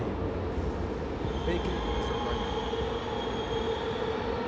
BACON AS A WRITER.